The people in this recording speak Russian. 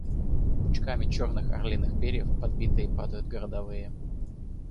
Пучками черных орлиных перьев подбитые падают городовые.